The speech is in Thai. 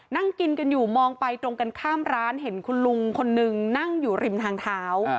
นั่งกินกันอยู่มองไปตรงกันข้ามร้านเห็นคุณลุงคนนึงนั่งอยู่ริมทางเท้า